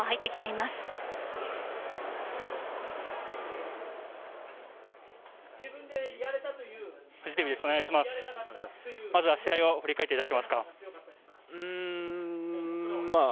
まずは試合を振り返っていただけますか？